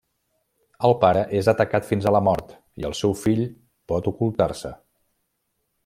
El pare és atacat fins a la mort, i el seu fill pot ocultar-se.